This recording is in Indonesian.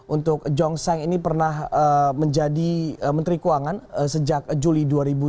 untuk john tsang ini pernah menjadi menteri keuangan sejak juli dua ribu tujuh